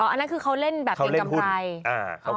อันนั้นคือเขาเล่นแบบเกรงกำไร